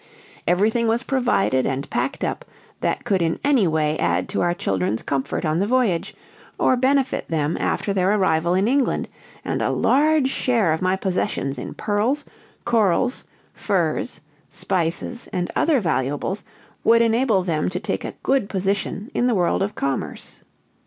Everything was provided and packed up that could in any way add to our children's comfort on the voyage, or benefit them after their arrival in England, and a large share of my possessions in pearls, corals, furs, spices, and other valuables would enable them to take a good position in the world of commerce.